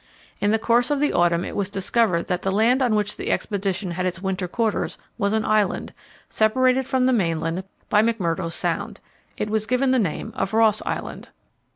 In the course of the autumn it was discovered that the land on which the expedition had its winter quarters was an island, separated from the mainland by McMurdo Sound. It was given the name of Ross Island.